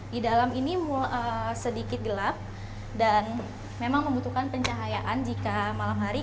di dalam ini sedikit gelap dan memang membutuhkan pencahayaan jika malam hari